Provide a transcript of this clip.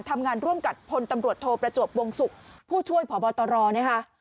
ทำงานร่วมกับพลตำรวจโทประจวบวงศุกร์ผู้ช่วยพบตรนะคะ